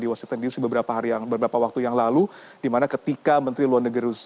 di washington dc beberapa hari yang beberapa waktu yang lalu dimana ketika menteri luar negeri